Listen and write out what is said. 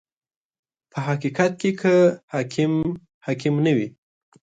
• په حقیقت کې که حاکم حاکم نه وي.